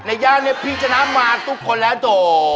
ในย่างนี้พี่จะนำมาทุกคนแล้วโต